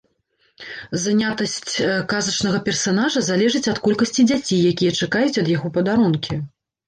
Занятасць казачнага персанажа залежыць ад колькасці дзяцей, якія чакаюць ад яго падарункі.